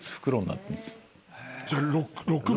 じゃあ６枚。